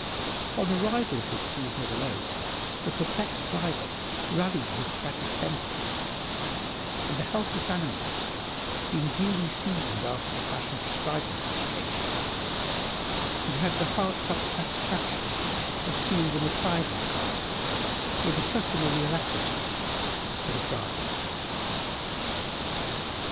On the arrival of this seasonable aid, the perplexed driver rallied his scattered senses, and the helpless animals, being duly seasoned after the fashion prescribed on such occasions, he had the heart–felt satisfaction of seeing them apply themselves, with the customary alacrity, to the draught.